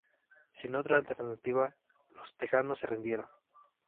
Sin otra alternativa, los texanos se rindieron.